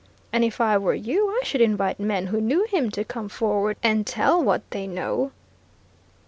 And if I were you, I should invite men who knew him to come forward and tell what they know."